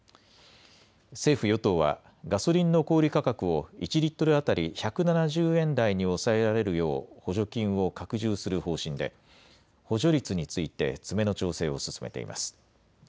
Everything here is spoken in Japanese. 政府与党はガソリンの小売り価格を１リットル当たり１７０円台に抑えられるよう補助金を拡充する方針で補助率について詰めの調整を進めています。